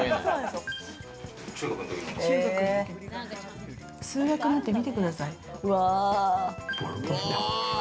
中学の時の数学なんて見てください。